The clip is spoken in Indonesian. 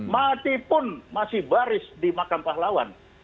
mati pun masih baris di makam pahlawan